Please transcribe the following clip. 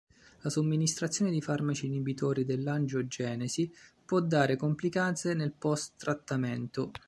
La somministrazione di farmaci inibitori dell'angiogenesi può dare complicanze nel post-trattamento.